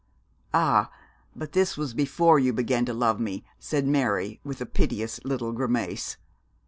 'Ah, but this was before you began to love me,' said Mary, with a piteous little grimace.